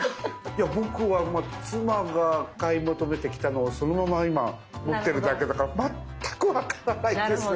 僕は妻が買い求めてきたのをそのまま今持ってるだけだから全く分からないんです。